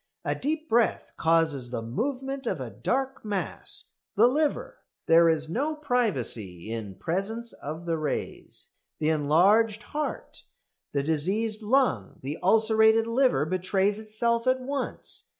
A deep breath causes the movement of a dark mass the liver. There is no privacy in presence of the rays. The enlarged heart, the diseased lung, the ulcerated liver betrays itself at once.